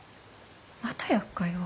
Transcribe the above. またやっかいを。